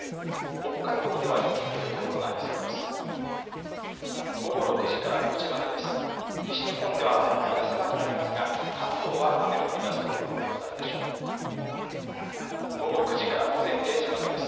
北海道では雪の降る所がありそうです。